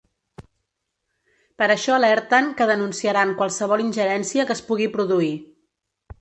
Per això alerten que denunciaran qualsevol ingerència que es pugui produir.